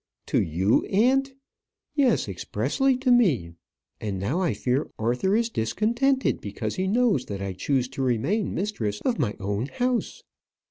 "To you, aunt?" "Yes, expressly to me. And now I fear Arthur is discontented because he knows that I choose to remain mistress of my own house.